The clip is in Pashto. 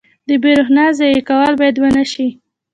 • د برېښنا ضایع کول باید ونه شي.